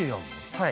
はい。